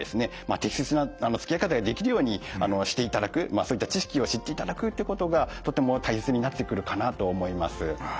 適切なつきあい方ができるようにしていただくそういった知識を知っていただくっていうことがとても大切になってくるかなと思います。